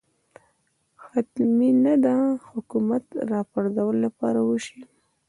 حتمي نه ده حکومت راپرځولو لپاره وشي